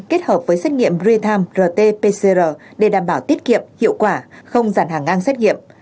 kết hợp với xét nghiệm realm rt pcr để đảm bảo tiết kiệm hiệu quả không dàn hàng ngang xét nghiệm